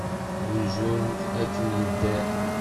Uzun-t akken yedder.